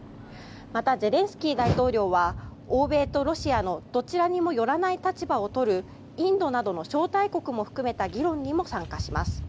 また、ゼレンスキー大統領は欧米とロシアのどちらにも寄らない立場を取るインドなどの招待国も含めた議論にも参加します。